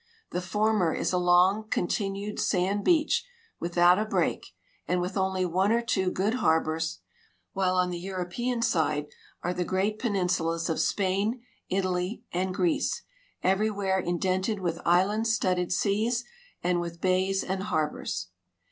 The former is a long continued sand beach, without a break and with only one or two good liarbors, while on the European side are the great j)eninsulas of Sj)ain, Italy, and Greece, everywhere indented with island studded seas and with bays and harbors.